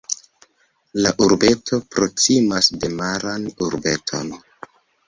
La urbeto proksimas de Maran urbeto.